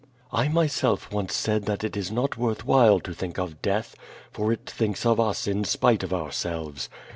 I myself once said that it is not worth while to think of death, for it thinks of us in spite of ourselves.